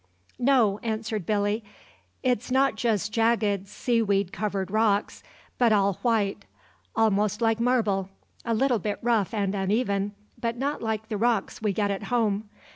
"No," answered Billy; "it's not just jagged, seaweed covered rocks, but all white, almost like marble, a little bit rough and uneven, but not like the rocks we get at home.